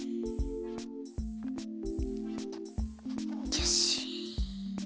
よし。